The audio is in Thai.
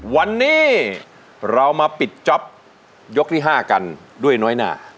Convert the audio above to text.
วันนี้เรามาปิดจ๊อปยกที่๕กันด้วยน้อยหน้า